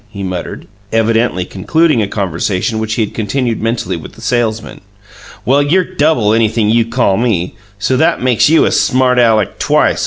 he muttered, evidently concluding a conversation which he had continued mentally with the salesman. "Well, you're double anything you call me, so that makes you a smart Aleck twice!